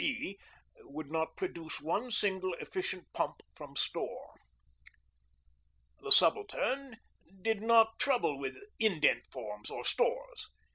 E. would not produce one single efficient pump from store. The Subaltern did not trouble with indent forms or stores.